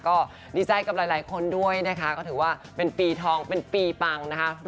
ก็ดีใจกับหลายคนด้วยนะคะก็ถือว่าเป็นปีทองเป็นปีปังนะคะ